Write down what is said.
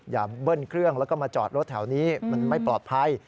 เบิ้ลเครื่องแล้วก็มาจอดรถแถวนี้มันไม่ปลอดภัย